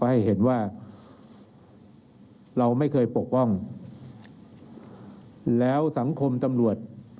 ให้เห็นว่าเราไม่เคยปกป้องแล้วสังคมตำรวจ